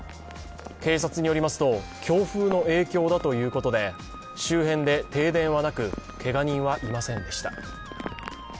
警察よりますと、強風の影響だということで、周辺で停電はなく、けが人はいませんでした。